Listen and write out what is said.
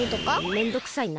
めんどくさいな。